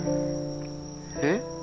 えっ？